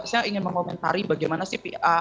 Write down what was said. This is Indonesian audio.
saya ingin mengomentari bagaimana sih